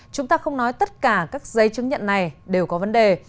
chúng ta không nói tất cả các giấy chứng nhận này đều có vấn đề